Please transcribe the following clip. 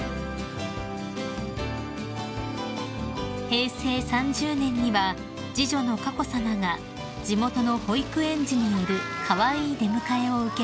［平成３０年には次女の佳子さまが地元の保育園児によるカワイイ出迎えを受けられました］